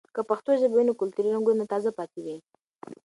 که پښتو ژبه وي، نو کلتوري رنګونه تازه پاتې وي.